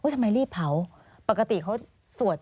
ทั้งที่เผาปกติเขาสวด